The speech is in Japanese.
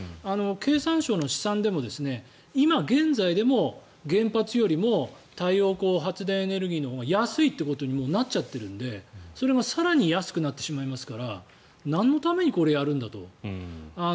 経産省の試算でも今現在でも原発よりも太陽光発電エネルギーのほうが安いということにもうなっちゃってるのでそれが更に安くなってしまいますからなんのためにこれをやるんだと。